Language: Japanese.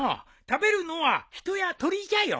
食べるのは人や鳥じゃよ。